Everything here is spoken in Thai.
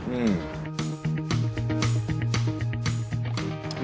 อืม